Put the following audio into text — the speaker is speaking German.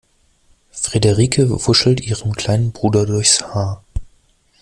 Frederike wuschelt ihrem kleinen Bruder durchs Haar.